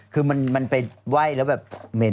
คือมันไปไหว้แล้วแบบเหม็น